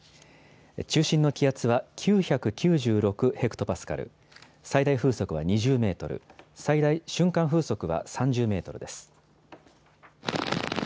中心の気圧は９９６ヘクトパスカル、最大風速は２０メートル、最大瞬間風速は３０メートルです。